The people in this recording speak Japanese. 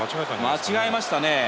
間違えましたね。